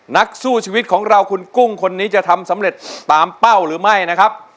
นักสู้ชีวิตของเราคุณกุ้งคนนี้จะทำสำเร็จตามเป้าหรือไม่นะครับ